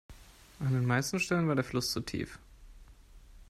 An den meisten Stellen war der Fluss zu tief.